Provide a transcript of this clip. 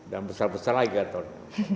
dan besar besar lagi ya ton